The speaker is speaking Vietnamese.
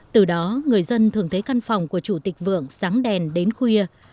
từ đó người dân thường thấy căn phòng của chủ tịch vượng sáng đèn đến khuya